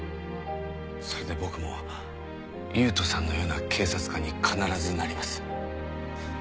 それで僕も優人さんのような警察官に必ずなります。